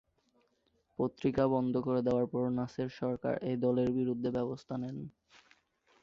পত্রিকা বন্ধ করে দেয়ার পর নাসের সরকার এ দলের বিরুদ্ধে ব্যবস্থা নেন।